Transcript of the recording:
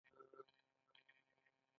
• شتمني که سمه وکارول شي، عزت راوړي.